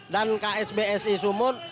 dan ksbsi sumut